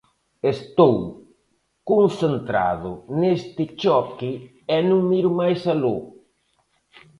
Estou concentrado neste choque e non miro máis aló.